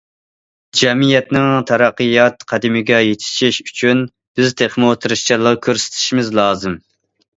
جەمئىيەتنىڭ تەرەققىيات قەدىمىگە يېتىشىش ئۈچۈن، بىز تېخىمۇ تىرىشچانلىق كۆرسىتىشىمىز لازىم.